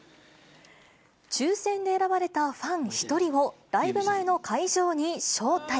抽せんで選ばれたファン１人を、ライブ前の会場に招待。